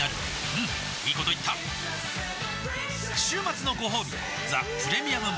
うんいいこと言った週末のごほうび「ザ・プレミアム・モルツ」